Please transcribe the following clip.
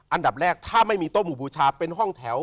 อันดับแรกถ้าไม่มีโต๊ะหมู่บูชาเป็นห้องแถว